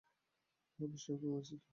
হ্যাঁ, অবশ্যই, আমি আছি তো।